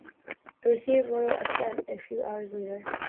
It received Royal Assent a few hours later.